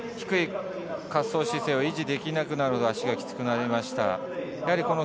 低い滑走姿勢を維持できなくなると足がきつくなりました。